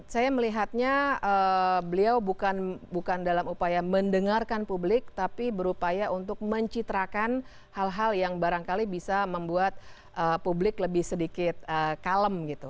saya melihatnya beliau bukan dalam upaya mendengarkan publik tapi berupaya untuk mencitrakan hal hal yang barangkali bisa membuat publik lebih sedikit kalem gitu